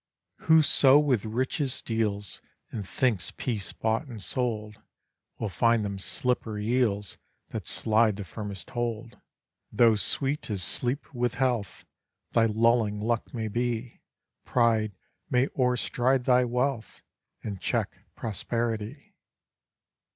Whoso with riches deals, And thinks peace bought and sold, Will find them slippery eels, That slide the firmest hold: Though sweet as sleep with health, Thy lulling luck may be, Pride may o'erstride thy wealth, And check prosperity.